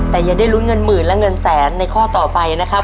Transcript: แต่อย่าได้ลุ้นเงินหมื่นและเงินแสนในข้อต่อไปนะครับ